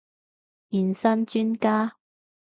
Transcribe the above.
健身專家